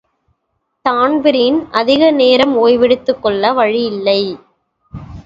Dan Breen அதிக நேரம் ஓய்வெடுத்துக்கொள்ள வழியில்லை.